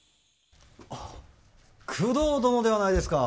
あっ工藤殿ではないですか。